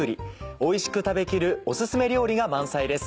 おいしく食べきるお薦め料理が満載です。